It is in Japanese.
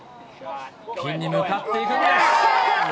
ピンに向かっていくんです。